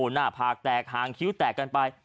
หน้าผากแตกห่างคิ้วแตกกันไป